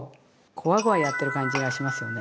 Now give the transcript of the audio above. こわごわやってる感じがしますよね。